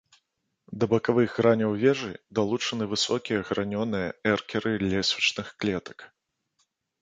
Да бакавых граняў вежы далучаны высокія гранёныя эркеры лесвічных клетак.